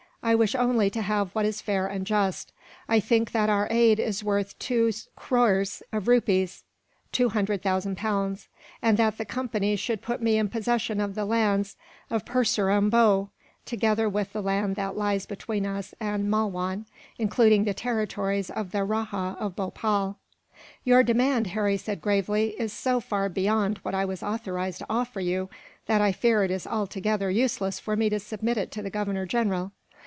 "I wish only to have what is fair and just. I think that our aid is worth two crores of rupees (200,000 pounds) and that the Company should put me in possession of the lands of Purseram Bhow, together with the land that lies between us and Malwan, including the territories of the Rajah of Bhopal." "Your demand," Harry said gravely, "is so far beyond what I was authorized to offer you, that I fear it is altogether useless for me to submit it to the Governor General.